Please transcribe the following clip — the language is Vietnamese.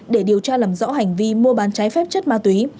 để điều tra làm rõ hành vi mua bán trái phép chất ma túy